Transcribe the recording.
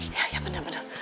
iya iya bener bener